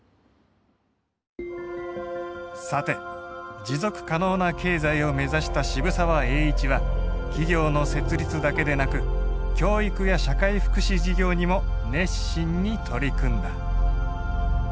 さて持続可能な経済をめざした渋沢栄一は企業の設立だけでなく教育や社会福祉事業にも熱心に取り組んだ。